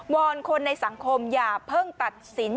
อนคนในสังคมอย่าเพิ่งตัดสิน